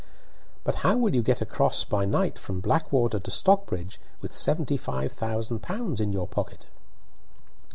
"But how will you get across by night from Blackwater to Stockbridge with seventy five thousand pounds in your pocket?"